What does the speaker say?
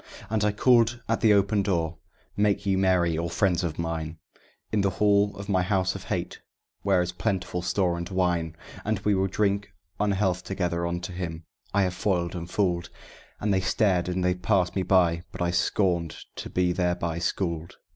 And I called at the open door, "Make ye merry, all friends of mine, In the hall of my House of Hate, where is plentiful store and wine. We will drink unhealth together unto him I have foiled and fooled!" And they stared and they passed me by; but I scorned to be thereby schooled.